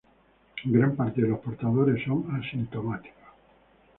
Gran parte de los portadores son asintomáticos.